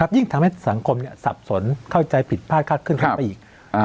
ยิ่งทำให้สังคมสับสนเข้าใจผิดภาคขึ้นขึ้นไปอีก